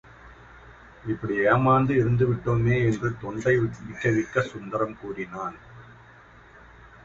இப்படி ஏமாந்து இருந்துவிட்டோமே! என்று தொண்டை விக்க விக்கச் சுந்தரம் கூறினான்.